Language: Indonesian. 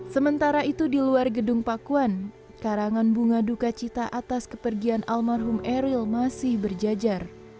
sementara itu di luar gedung pakuan karangan bunga duka cita atas kepergian almarhum eril masih berjajar